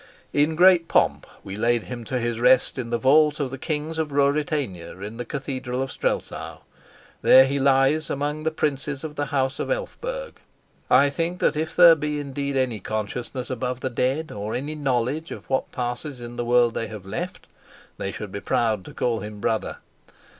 In great pomp we laid him to his rest in the vault of the kings of Ruritania in the Cathedral of Strelsau. There he lies among the princes of the House of Elphberg. I think that if there be indeed any consciousness among the dead, or any knowledge of what passes in the world they have left, they should be proud to call him brother.